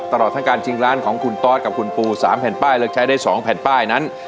ตลอดทั้งการชิงล้านของคุณตอสกับคุณปู๓แผ่นป้ายเลือกใช้ได้๒แผ่นป้ายนั้น